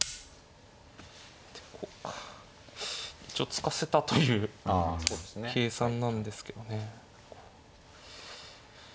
突かせたという計算なんですけどね。